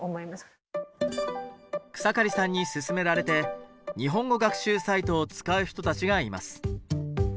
草刈さんに薦められて日本語学習サイトを使う人たちがいます。